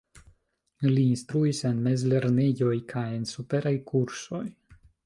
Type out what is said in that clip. Li instruis en mezlernejoj kaj en superaj kursoj.